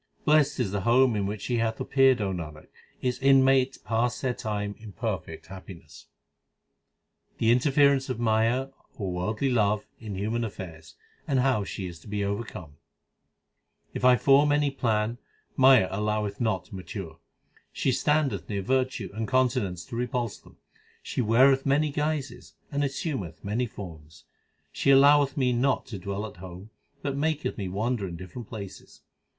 Blest is the home in which she hath appeared Nanak, its inmates pass their time in perfect happiness. The interference of Maya, or worldly love, in human affairs, and how she is to be overcome : If I form any plan, Maya alloweth it not to mature : She standeth near virtue and continence to repulse them ; She weareth many guises and assumeth many forms ; She alloweth me not to dwell at home, but maketh me wander in different places.